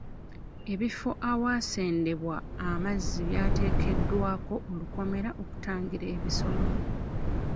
Ebifo awasenebwa amazzi byateekeddwako olukomera okutangira ebisolo.